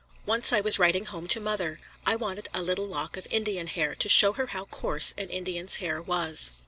Once I was writing home to mother. I wanted a little lock of Indian hair to show her how coarse an Indian's hair was.